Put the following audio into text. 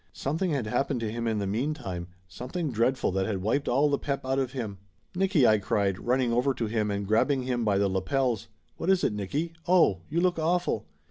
Something had happened to him in the meantime, something dreadful that had wiped all the pep out of him. "Nicky !" I cried, running over to him and grabbing him by the lapels. "What is it, Nicky? Oh! You look awful!"